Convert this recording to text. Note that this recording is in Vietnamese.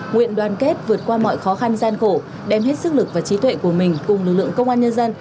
nguyện đoàn kết vượt qua mọi khó khăn gian khổ đem hết sức lực và trí tuệ của mình cùng lực lượng công an nhân dân